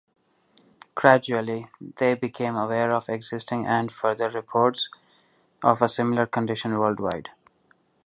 Gradually, they became aware of existing and further reports of a similar condition worldwide.